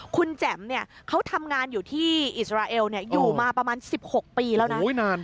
คุณแจ๋มเนี่ยเขาทำงานอยู่ที่อิสราเอลอยู่มาประมาณ๑๖ปีแล้วนะ